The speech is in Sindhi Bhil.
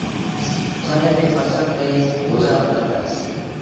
ٿر ري ڦسل تي گزآرو ڪرتآ۔